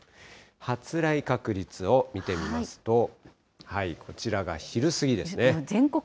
発雷確率を見てみますと、こちらが昼過ぎですね。